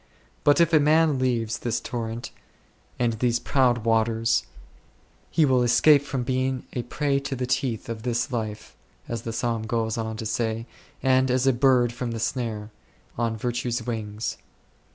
But if a man leaves this torrent,, and these "proud waters 3," he will escape from being " a prey to the teeth " of this life, as the Psalm goes on to say, and, as " a bird from the snare," on virtue's wings.